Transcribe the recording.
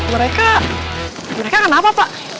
mereka mereka kenapa pak